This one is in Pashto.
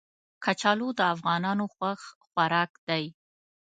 کچالو د افغانانو خوښ خوراک دی